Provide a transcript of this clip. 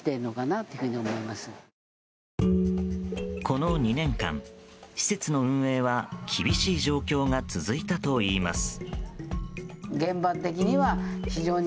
この２年間施設の運営は厳しい状況が続いたといいます。